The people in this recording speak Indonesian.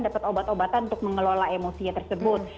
dapat obat obatan untuk mengelola emosinya tersebut